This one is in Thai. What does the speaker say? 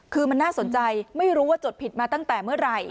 คือมันน่าสนใจไม่รู้ว่าจดผิดมาตั้งแต่เมื่อไหร่